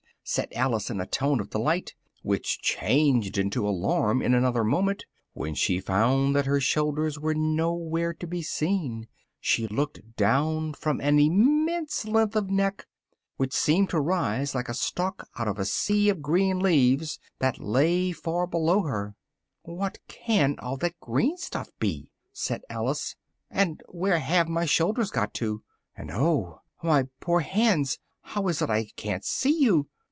said Alice in a tone of delight, which changed into alarm in another moment, when she found that her shoulders were nowhere to be seen: she looked down upon an immense length of neck, which seemed to rise like a stalk out of a sea of green leaves that lay far below her. "What can all that green stuff be?" said Alice, "and where have my shoulders got to? And oh! my poor hands! how is it I ca'n't see you?"